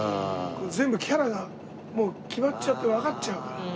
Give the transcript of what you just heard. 全部キャラがもう決まっちゃってわかっちゃうから。